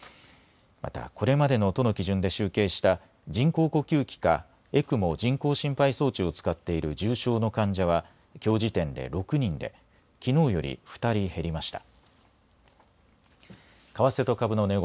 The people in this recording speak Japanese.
また、これまでの都の基準で集計した、人工呼吸器か、ＥＣＭＯ・人工心肺装置を使っている重症の患者は、きょう時点で６人で、きのうより２人減りました。